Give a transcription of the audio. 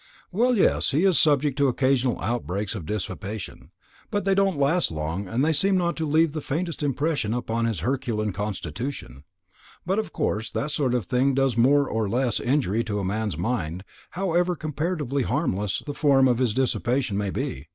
"Well, yes, he is subject to occasional outbreaks of dissipation. They don't last long, and they seem to leave not the faintest impression upon his herculean constitution; but of course that sort of thing does more or less injury to a man's mind, however comparatively harmless the form of his dissipation may be.